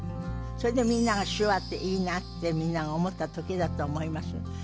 それでみんなが手話っていいなってみんなが思った時だと思います。